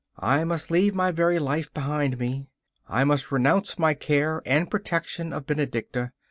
I must leave my very life behind me; I must renounce my care and protection of Benedicta.